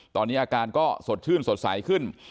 ตอนนี้อาการก็สดชื่นสดใสขึ้น